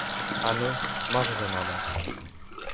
Ану, марш за нами!